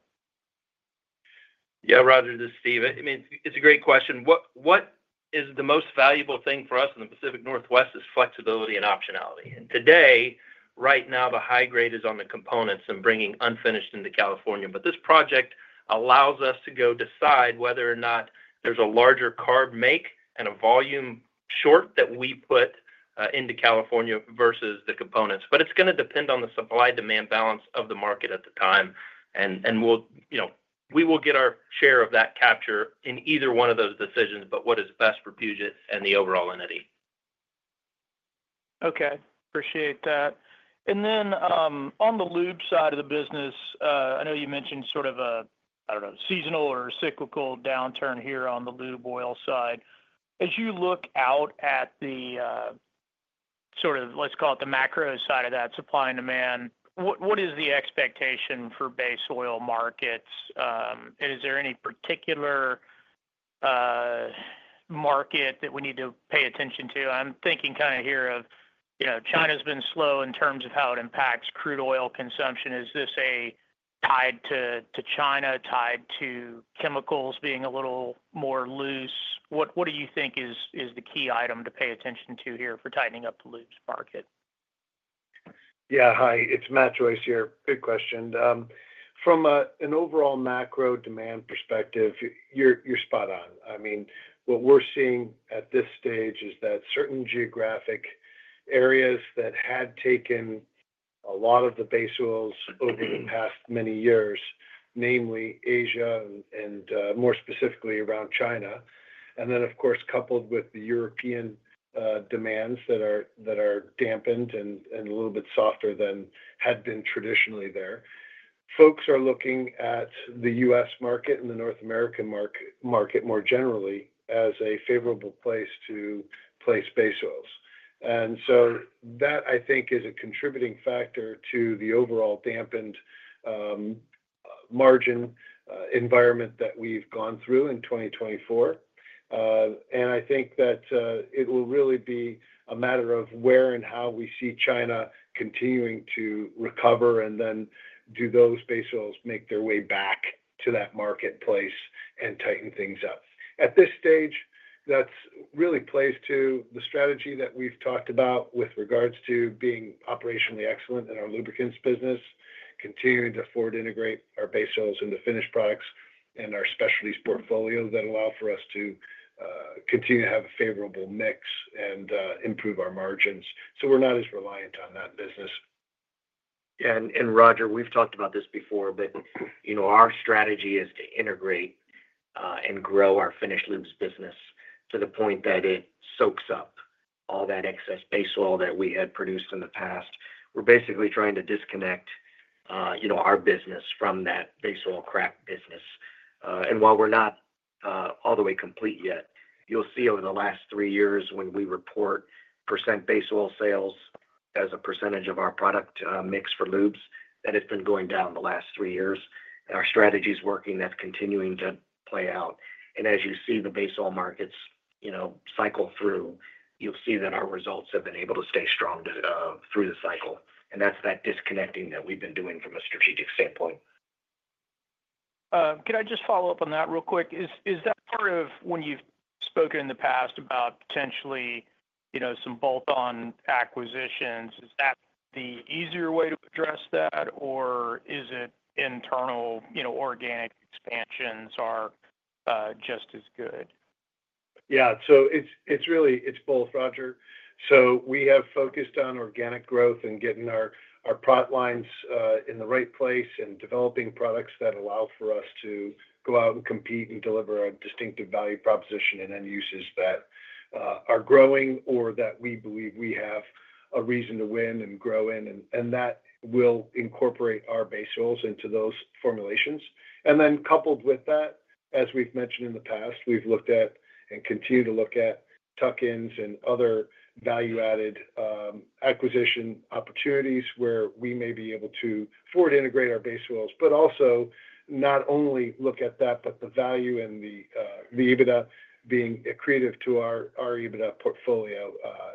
Speaker 6: Yeah, Roger, this is Steve. I mean, it's a great question. What is the most valuable thing for us in the Pacific Northwest is flexibility and optionality, and today, right now, the high grade is on the components and bringing unfinished into California, but this project allows us to go decide whether or not there's a larger CARB make and a volume short that we put into California versus the components, but it's going to depend on the supply-demand balance of the market at the time, and we will get our share of that capture in either one of those decisions, but what is best for Puget and the overall entity.
Speaker 13: Okay. Appreciate that. And then on the Lube side of the business, I know you mentioned sort of a, I don't know, seasonal or cyclical downturn here on the Lube oil side. As you look out at the sort of, let's call it the macro side of that supply and demand, what is the expectation for base oil markets? And is there any particular market that we need to pay attention to? I'm thinking kind of here of, you know, China's been slow in terms of how it impacts crude oil consumption. Is this tied to China, tied to chemicals being a little more loose? What do you think is the key item to pay attention to here for tightening up the Lube's market?
Speaker 8: Yeah. Hi. It's Matt Joyce here. Good question. From an overall macro demand perspective, you're spot on. I mean, what we're seeing at this stage is that certain geographic areas that had taken a lot of the base oils over the past many years, namely Asia and more specifically around China, and then, of course, coupled with the European demands that are dampened and a little bit softer than had been traditionally there, folks are looking at the U.S. market and the North American market more generally as a favorable place to place base oils. And so that, I think, is a contributing factor to the overall dampened margin environment that we've gone through in 2024. And I think that it will really be a matter of where and how we see China continuing to recover and then do those base oils make their way back to that marketplace and tighten things up. At this stage, that really plays to the strategy that we've talked about with regards to being operationally excellent in our lubricants business, continuing to forward integrate our base oils into finished products and our specialties portfolio that allow for us to continue to have a favorable mix and improve our margins. So we're not as reliant on that business.
Speaker 3: Yeah. And Roger, we've talked about this before, but, you know, our strategy is to integrate and grow our finished lubricants business to the point that it soaks up all that excess base oil that we had produced in the past. We're basically trying to disconnect, you know, our business from that base oil crack business, and while we're not all the way complete yet, you'll see over the last three years when we report percent base oil sales as a percentage of our product mix for lubricants that has been going down the last three years. Our strategy is working. That's continuing to play out, and as you see the base oil markets, you know, cycle through, you'll see that our results have been able to stay strong through the cycle, and that's that disconnecting that we've been doing from a strategic standpoint.
Speaker 13: Can I just follow up on that real quick? Is that part of when you've spoken in the past about potentially, you know, some bolt-on acquisitions, is that the easier way to address that, or is it internal, you know, organic expansions are just as good?
Speaker 6: Yeah. So it's really both, Roger. So we have focused on organic growth and getting our product lines in the right place and developing products that allow for us to go out and compete and deliver a distinctive value proposition and end uses that are growing or that we believe we have a reason to win and grow in. And that will incorporate our base oils into those formulations. And then coupled with that, as we've mentioned in the past, we've looked at and continue to look at tuck-ins and other value-added acquisition opportunities where we may be able to forward integrate our base oils, but also not only look at that, but the value and the EBITDA being accretive to our EBITDA portfolio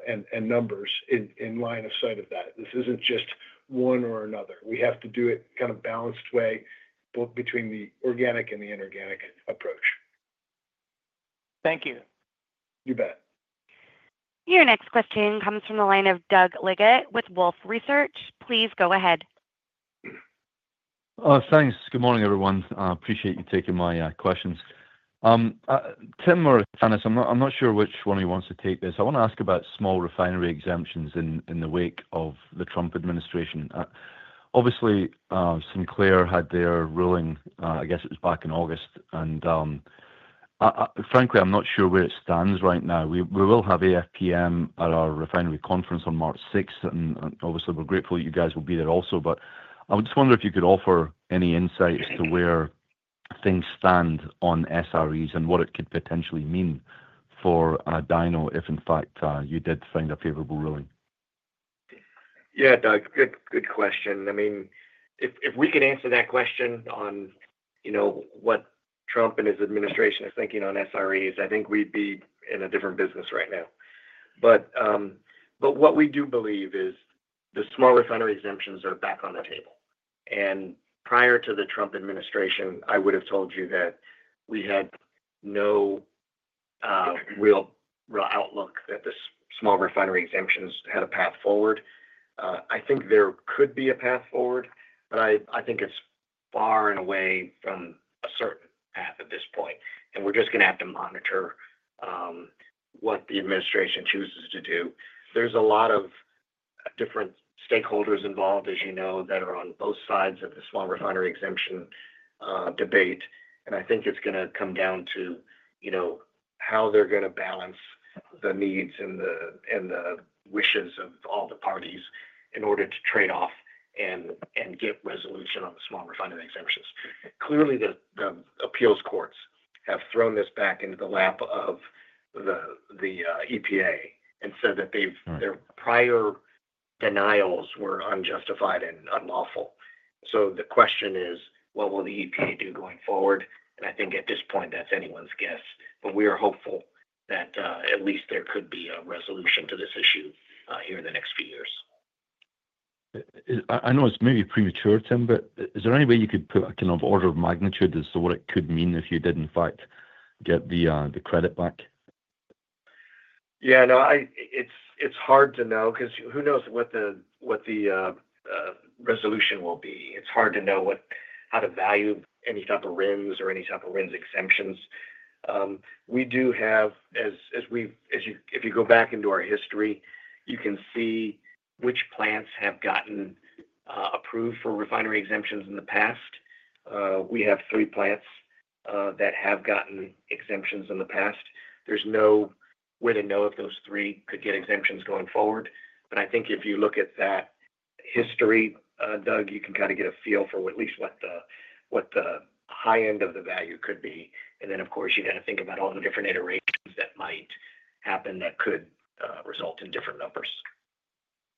Speaker 6: and numbers in line of sight of that. This isn't just one or another. We have to do it kind of balanced way between the organic and the inorganic approach.
Speaker 7: Thank you.
Speaker 6: You bet.
Speaker 1: Your next question comes from the line of Doug Leggett with Wolfe Research. Please go ahead.
Speaker 14: Thanks. Good morning, everyone. Appreciate you taking my questions. Tim or Atanas, I'm not sure which one of you wants to take this. I want to ask about small refinery exemptions in the wake of the Trump administration. Obviously, Sinclair had their ruling, I guess it was back in August. And frankly, I'm not sure where it stands right now. We will have AFPM at our refinery conference on March 6th. And obviously, we're grateful that you guys will be there also. But I just wonder if you could offer any insight as to where things stand on SREs and what it could potentially mean for DINO if, in fact, you did find a favorable ruling.
Speaker 3: Yeah, Doug, good question. I mean, if we could answer that question on, you know, what Trump and his administration are thinking on SREs, I think we'd be in a different business right now. But what we do believe is the small refinery exemptions are back on the table. And prior to the Trump administration, I would have told you that we had no real outlook that the small refinery exemptions had a path forward. I think there could be a path forward, but I think it's far and away from a certain path at this point. And we're just going to have to monitor what the administration chooses to do. There's a lot of different stakeholders involved, as you know, that are on both sides of the small refinery exemption debate. And I think it's going to come down to, you know, how they're going to balance the needs and the wishes of all the parties in order to trade off and get resolution on the small refinery exemptions. Clearly, the appeals courts have thrown this back into the lap of the EPA and said that their prior denials were unjustified and unlawful. So the question is, what will the EPA do going forward? And I think at this point, that's anyone's guess. But we are hopeful that at least there could be a resolution to this issue here in the next few years.
Speaker 14: I know it's maybe premature, Tim, but is there any way you could put a kind of order of magnitude as to what it could mean if you did, in fact, get the credit back?
Speaker 3: Yeah. No, it's hard to know because who knows what the resolution will be. It's hard to know how to value any type of RINs or any type of RINs exemptions. We do have, as if you go back into our history, you can see which plants have gotten approved for refinery exemptions in the past. We have three plants that have gotten exemptions in the past. There's no way to know if those three could get exemptions going forward, but I think if you look at that history, Doug, you can kind of get a feel for at least what the high end of the value could be, and then, of course, you got to think about all the different iterations that might happen that could result in different numbers.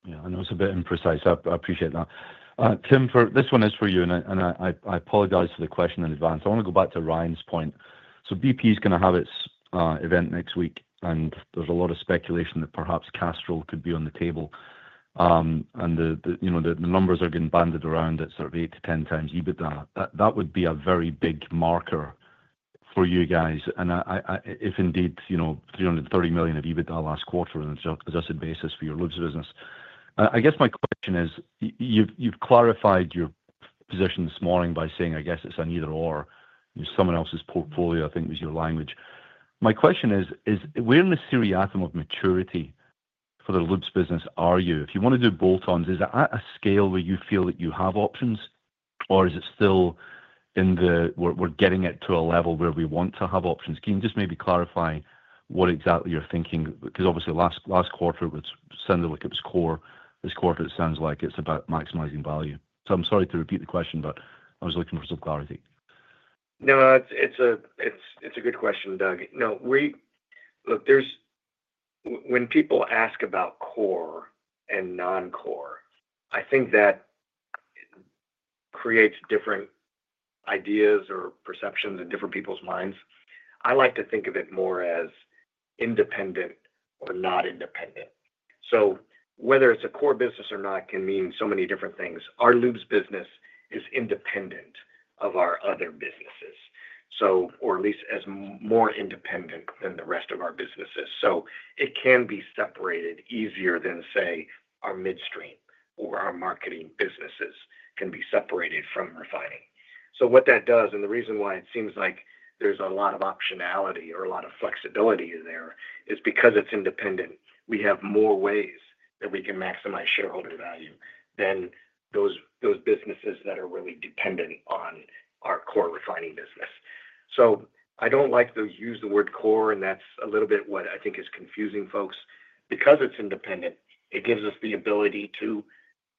Speaker 14: Yeah. I know it's a bit imprecise. I appreciate that. Tim, this one is for you. And I apologize for the question in advance. I want to go back to Ryan's point. So BP is going to have its event next week. And there's a lot of speculation that perhaps Castrol could be on the table. And the numbers are getting bandied around at sort of 8x-10x EBITDA. That would be a very big marker for you guys. And if indeed, you know, $330 million of EBITDA last quarter as a basis for your Lubes business. I guess my question is, you've clarified your position this morning by saying, I guess it's an either/or, someone else's portfolio, I think was your language. My question is, where in the spectrum of maturity for the Lubes business are you? If you want to do bolt-ons, is that at a scale where you feel that you have options, or is it still in the, we're getting it to a level where we want to have options? Can you just maybe clarify what exactly you're thinking? Because obviously, last quarter, it was sounded like it was core. This quarter, it sounds like it's about maximizing value. So I'm sorry to repeat the question, but I was looking for some clarity.
Speaker 3: No, it's a good question, Doug. No, look, when people ask about core and non-core, I think that creates different ideas or perceptions in different people's minds. I like to think of it more as independent or not independent. So whether it's a core business or not can mean so many different things. Our Lube's business is independent of our other businesses, or at least as more independent than the rest of our businesses. So it can be separated easier than, say, our midstream or our marketing businesses can be separated from refining. So what that does, and the reason why it seems like there's a lot of optionality or a lot of flexibility there is because it's independent, we have more ways that we can maximize shareholder value than those businesses that are really dependent on our core refining business. I don't like to use the word core, and that's a little bit what I think is confusing folks. Because it's independent, it gives us the ability to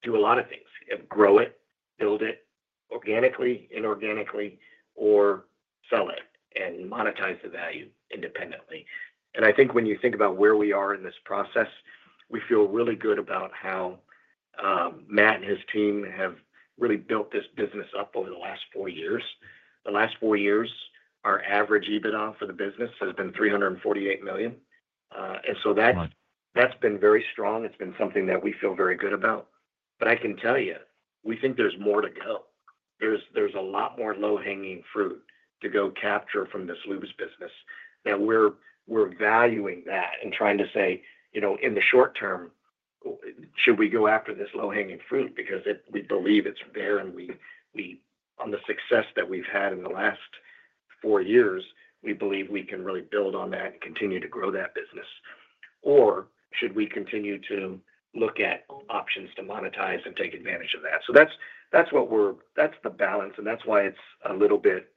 Speaker 3: do a lot of things: grow it, build it organically, inorganically, or sell it and monetize the value independently. And I think when you think about where we are in this process, we feel really good about how Matt and his team have really built this business up over the last four years. The last four years, our average EBITDA for the business has been $348 million. And so that's been very strong. It's been something that we feel very good about. But I can tell you, we think there's more to go. There's a lot more low-hanging fruit to go capture from this Lubes business. Now, we're valuing that and trying to say, you know, in the short term, should we go after this low-hanging fruit because we believe it's there and we, on the success that we've had in the last four years, we believe we can really build on that and continue to grow that business? Or should we continue to look at options to monetize and take advantage of that? So that's what we're, that's the balance. And that's why it's a little bit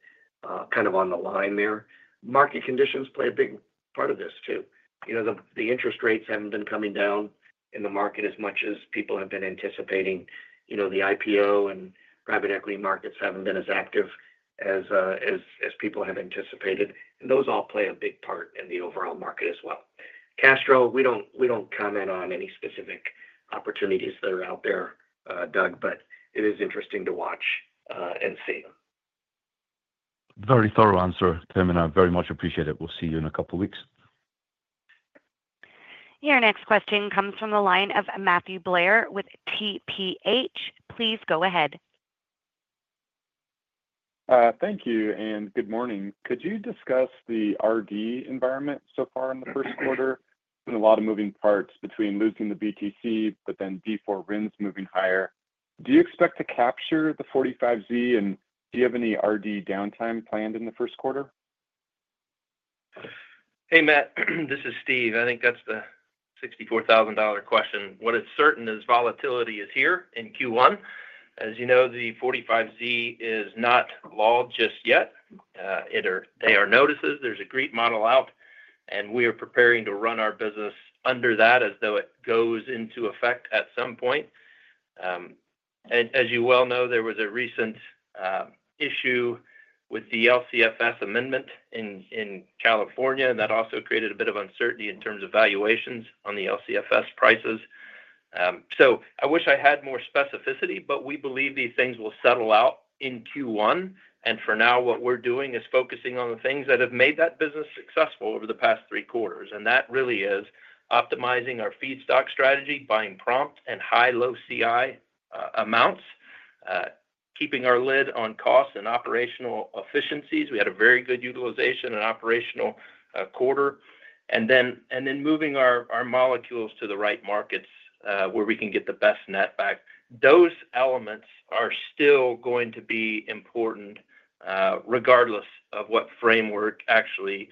Speaker 3: kind of on the line there. Market conditions play a big part of this too. You know, the interest rates haven't been coming down in the market as much as people have been anticipating. You know, the IPO and private equity markets haven't been as active as people have anticipated. And those all play a big part in the overall market as well. Castrol, we don't comment on any specific opportunities that are out there, Doug, but it is interesting to watch and see.
Speaker 14: Very thorough answer, Tim, and I very much appreciate it. We'll see you in a couple of weeks.
Speaker 1: Your next question comes from the line of Matthew Blair with TPH. Please go ahead.
Speaker 15: Thank you and good morning. Could you discuss the RD environment so far in the first quarter? There's been a lot of moving parts between losing the BTC, but then D4 RINs moving higher. Do you expect to capture the 45Z, and do you have any RD downtime planned in the first quarter?
Speaker 6: Hey, Matt, this is Steve. I think that's the $64,000 question. What is certain is volatility is here in Q1. As you know, the 45Z is not law just yet. They are notices. There's a great model out, and we are preparing to run our business under that as though it goes into effect at some point. As you well know, there was a recent issue with the LCFS amendment in California, and that also created a bit of uncertainty in terms of valuations on the LCFS prices. So I wish I had more specificity, but we believe these things will settle out in Q1, and for now, what we're doing is focusing on the things that have made that business successful over the past three quarters, and that really is optimizing our feedstock strategy, buying prompt and high, low CI amounts, keeping a lid on costs and operational efficiencies. We had a very good utilization and operational quarter, and then moving our molecules to the right markets where we can get the best netback. Those elements are still going to be important regardless of what framework actually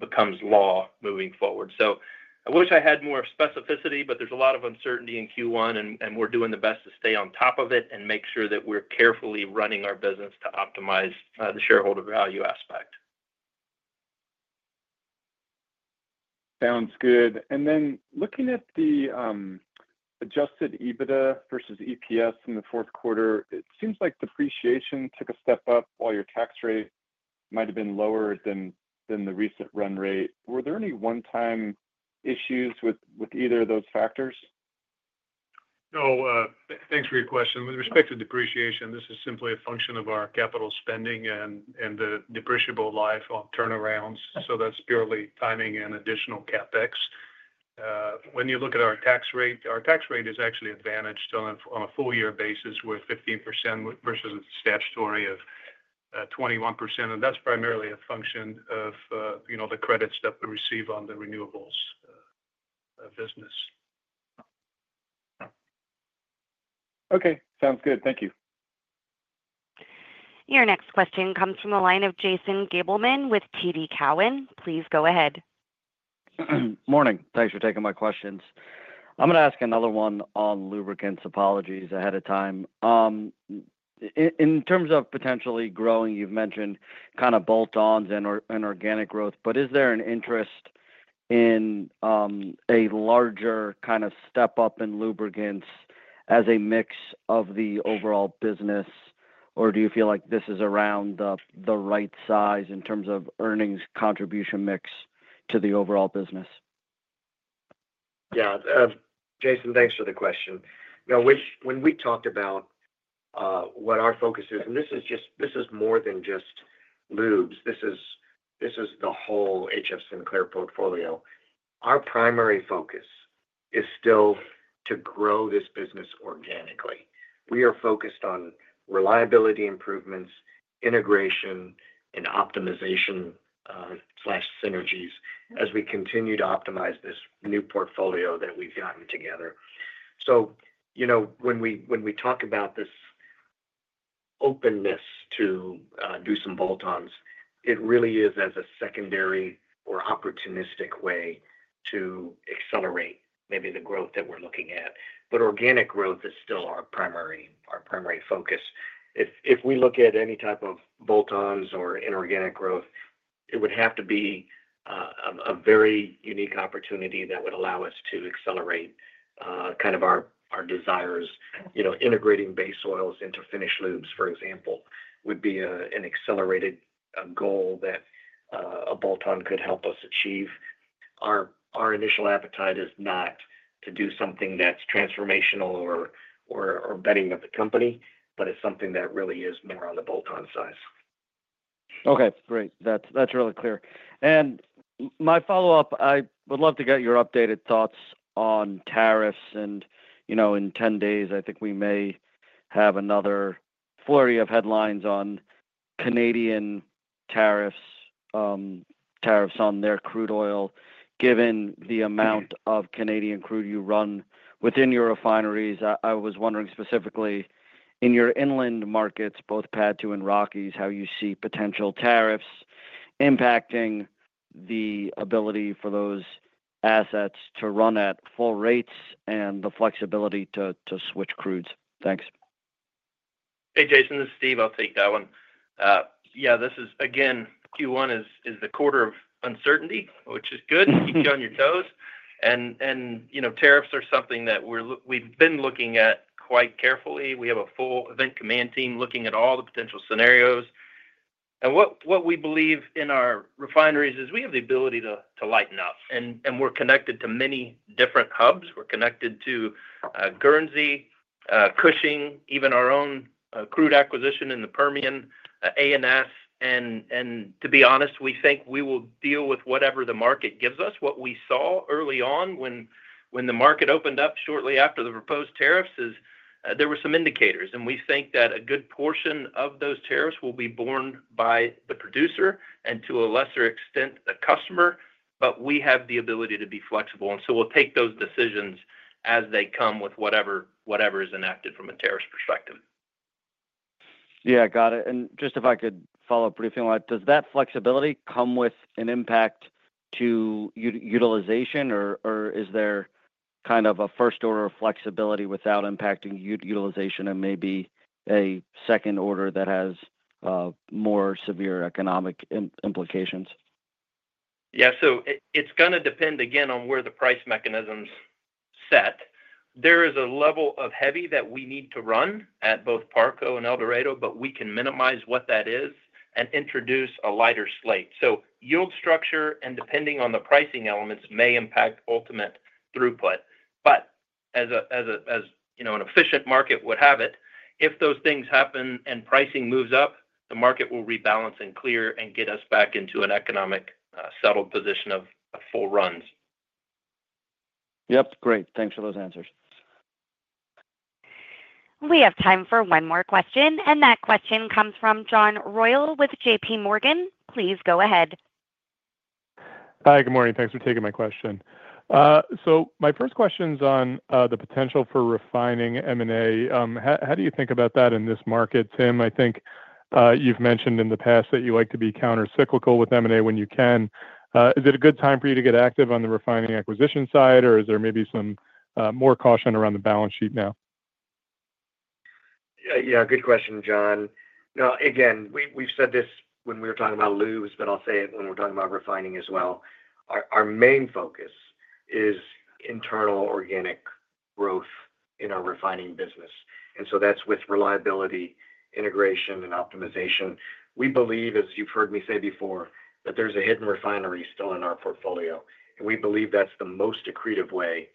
Speaker 6: becomes law moving forward, so I wish I had more specificity, but there's a lot of uncertainty in Q1, and we're doing the best to stay on top of it and make sure that we're carefully running our business to optimize the shareholder value aspect.
Speaker 15: Sounds good. And then looking at the Adjusted EBITDA versus EPS in the fourth quarter, it seems like depreciation took a step up while your tax rate might have been lower than the recent run rate. Were there any one-time issues with either of those factors?
Speaker 4: No. Thanks for your question. With respect to depreciation, this is simply a function of our capital spending and the depreciable life turnarounds. So that's purely timing and additional CapEx. When you look at our tax rate, our tax rate is actually advantaged on a full-year basis with 15% versus a statutory of 21%. And that's primarily a function of, you know, the credits that we receive on the renewables business.
Speaker 15: Okay. Sounds good. Thank you.
Speaker 1: Your next question comes from the line of Jason Gabelman with TD Cowen. Please go ahead.
Speaker 16: Morning. Thanks for taking my questions. I'm going to ask another one on lubricants. Apologies ahead of time. In terms of potentially growing, you've mentioned kind of bolt-ons and organic growth, but is there an interest in a larger kind of step-up in lubricants as a mix of the overall business, or do you feel like this is around the right size in terms of earnings contribution mix to the overall business?
Speaker 3: Yeah. Jason, thanks for the question. Now, when we talked about what our focus is, and this is just, this is more than just Lubes. This is the whole HF Sinclair portfolio. Our primary focus is still to grow this business organically. We are focused on reliability improvements, integration, and optimization/synergies as we continue to optimize this new portfolio that we've gotten together. So, you know, when we talk about this openness to do some bolt-ons, it really is as a secondary or opportunistic way to accelerate maybe the growth that we're looking at. But organic growth is still our primary focus. If we look at any type of bolt-ons or inorganic growth, it would have to be a very unique opportunity that would allow us to accelerate kind of our desires. You know, integrating base oils into finished Lubes, for example, would be an accelerated goal that a bolt-on could help us achieve. Our initial appetite is not to do something that's transformational or betting the company, but it's something that really is more on the bolt-on side.
Speaker 16: Okay. Great. That's really clear. And my follow-up, I would love to get your updated thoughts on tariffs. And, you know, in 10 days, I think we may have another flurry of headlines on Canadian tariffs, tariffs on their crude oil. Given the amount of Canadian crude you run within your refineries, I was wondering specifically in your inland markets, both PADD 2 and Rockies, how you see potential tariffs impacting the ability for those assets to run at full rates and the flexibility to switch crudes. Thanks.
Speaker 3: Hey, Jason, this is Steve. I'll take that one. Yeah, this is again Q1 is the quarter of uncertainty, which is good. Keep you on your toes. And you know, tariffs are something that we've been looking at quite carefully. We have a full event command team looking at all the potential scenarios. And what we believe in our refineries is we have the ability to lighten up. And we're connected to many different hubs. We're connected to Guernsey, Cushing, even our own crude acquisition in the Permian, ANS. And to be honest, we think we will deal with whatever the market gives us. What we saw early on when the market opened up shortly after the proposed tariffs is there were some indicators. And we think that a good portion of those tariffs will be borne by the producer and to a lesser extent the customer. But we have the ability to be flexible. And so we'll take those decisions as they come with whatever is enacted from a tariff perspective.
Speaker 16: Yeah, got it. And just if I could follow up briefly, does that flexibility come with an impact to utilization, or is there kind of a first order of flexibility without impacting utilization and maybe a second order that has more severe economic implications?
Speaker 3: Yeah. So it's going to depend again on where the price mechanisms set. There is a level of heavy that we need to run at both Parco and El Dorado, but we can minimize what that is and introduce a lighter slate. So yield structure and depending on the pricing elements may impact ultimate throughput. But as you know, an efficient market would have it, if those things happen and pricing moves up, the market will rebalance and clear and get us back into an economic settled position of full runs.
Speaker 16: Yep. Great. Thanks for those answers.
Speaker 1: We have time for one more question, and that question comes from John Royal with JPMorgan. Please go ahead.
Speaker 17: Hi, good morning. Thanks for taking my question. So my first question is on the potential for refining M&A. How do you think about that in this market, Tim? I think you've mentioned in the past that you like to be countercyclical with M&A when you can. Is it a good time for you to get active on the refining acquisition side, or is there maybe some more caution around the balance sheet now?
Speaker 3: Yeah, good question, John. No, again, we've said this when we were talking about Lubes, but I'll say it when we're talking about refining as well. Our main focus is internal organic growth in our refining business. And so that's with reliability, integration, and optimization. We believe, as you've heard me say before, that there's a hidden refinery still in our portfolio. And we believe that's the most accretive way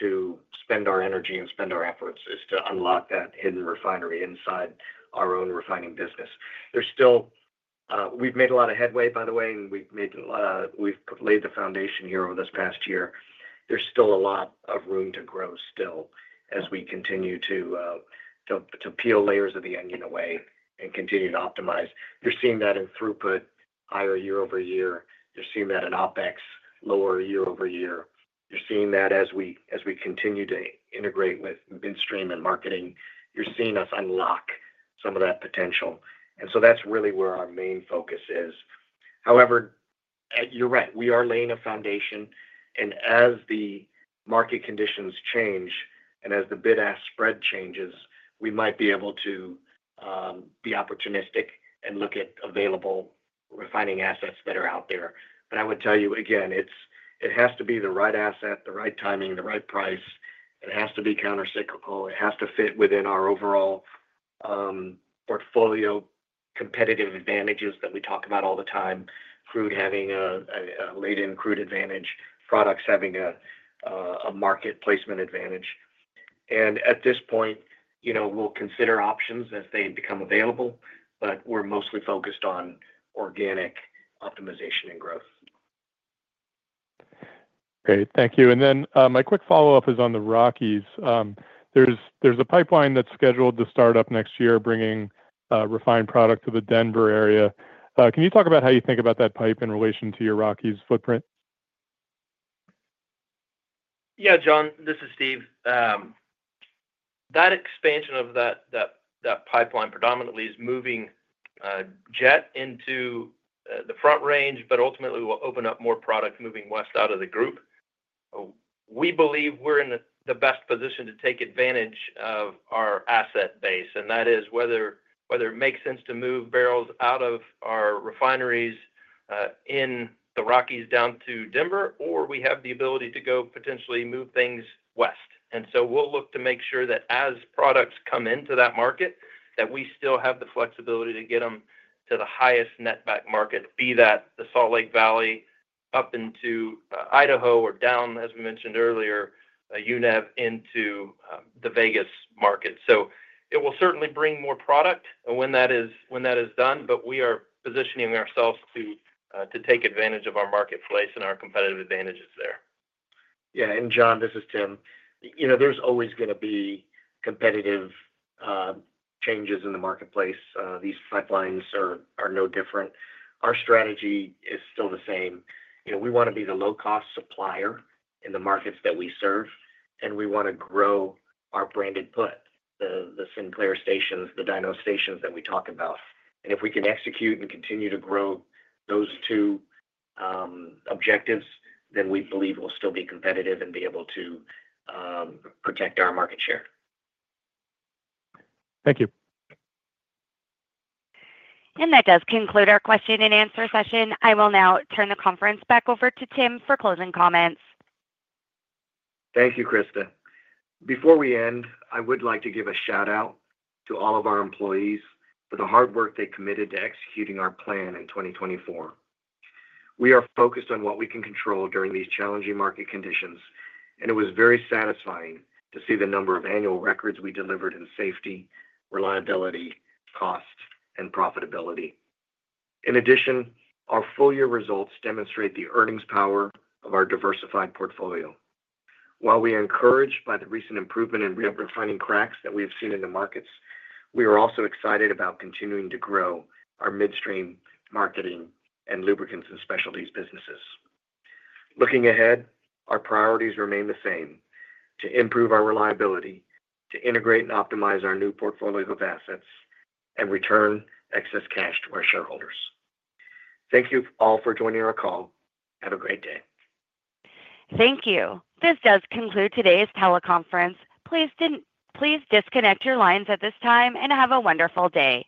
Speaker 3: to spend our energy and spend our efforts is to unlock that hidden refinery inside our own refining business. There's still, we've made a lot of headway, by the way, and we've laid the foundation here over this past year. There's still a lot of room to grow still as we continue to peel layers of the onion away and continue to optimize. You're seeing that in throughput higher year-over-year. You're seeing that in OpEx lower year-over-year. You're seeing that as we continue to integrate with midstream and marketing. You're seeing us unlock some of that potential. And so that's really where our main focus is. However, you're right. We are laying a foundation. And as the market conditions change and as the bid-ask spread changes, we might be able to be opportunistic and look at available refining assets that are out there. But I would tell you again, it has to be the right asset, the right timing, the right price. It has to be countercyclical. It has to fit within our overall portfolio competitive advantages that we talk about all the time. Crude having a light-in crude advantage, products having a market placement advantage. And at this point, you know, we'll consider options as they become available, but we're mostly focused on organic optimization and growth.
Speaker 17: Great. Thank you. And then my quick follow-up is on the Rockies. There's a pipeline that's scheduled to start up next year, bringing refined product to the Denver area. Can you talk about how you think about that pipe in relation to your Rockies footprint?
Speaker 6: Yeah, John, this is Steve. That expansion of that pipeline predominantly is moving jet into the Front Range, but ultimately will open up more product moving west out of the group. We believe we're in the best position to take advantage of our asset base, and that is whether it makes sense to move barrels out of our refineries in the Rockies down to Denver, or we have the ability to go potentially move things west, and so we'll look to make sure that as products come into that market, that we still have the flexibility to get them to the highest netback market, be that the Salt Lake Valley up into Idaho or down, as we mentioned earlier, UNEV into the Vegas market. So it will certainly bring more product when that is done, but we are positioning ourselves to take advantage of our marketplace and our competitive advantages there.
Speaker 3: Yeah. And John, this is Tim. You know, there's always going to be competitive changes in the marketplace. These pipelines are no different. Our strategy is still the same. You know, we want to be the low-cost supplier in the markets that we serve, and we want to grow our branded footprint, the Sinclair stations, the DINO stations that we talk about. And if we can execute and continue to grow those two objectives, then we believe we'll still be competitive and be able to protect our market share.
Speaker 15: Thank you.
Speaker 1: That does conclude our question and answer session. I will now turn the conference back over to Tim for closing comments.
Speaker 3: Thank you, Krista. Before we end, I would like to give a shout-out to all of our employees for the hard work they committed to executing our plan in 2024. We are focused on what we can control during these challenging market conditions, and it was very satisfying to see the number of annual records we delivered in safety, reliability, cost, and profitability. In addition, our full-year results demonstrate the earnings power of our diversified portfolio. While we are encouraged by the recent improvement in refining cracks that we have seen in the markets, we are also excited about continuing to grow our midstream marketing and lubricants and specialties businesses. Looking ahead, our priorities remain the same: to improve our reliability, to integrate and optimize our new portfolio of assets, and return excess cash to our shareholders. Thank you all for joining our call. Have a great day.
Speaker 1: Thank you. This does conclude today's teleconference. Please disconnect your lines at this time and have a wonderful day.